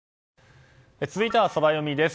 続いてはソラよみです。